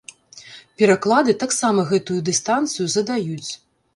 Пераклады таксама гэтую дыстанцыю задаюць.